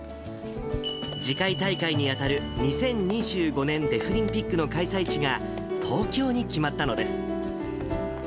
次回大会に当たる２０２５年デフリンピックの開催地が、東京に決まったのです。